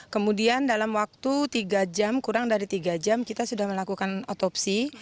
kemudian dalam waktu tiga jam kurang dari tiga jam kita sudah melakukan otopsi